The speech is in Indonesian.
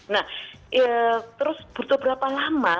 nah terus butuh berapa lama